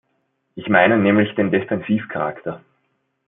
Ich meine nämlich den Defensivcharakter.